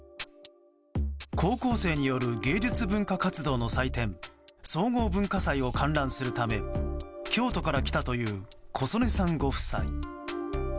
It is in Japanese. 高校生による芸術文化活動の祭典総合文化祭を観覧するため京都から来たという小曽根さんご夫妻。